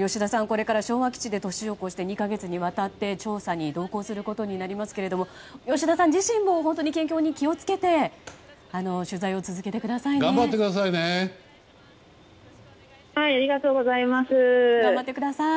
吉田さん、これから昭和基地で年を越して２か月にわたって調査に同行することになりますが吉田さん自身も健康に気を付けて取材を続けてくださいね。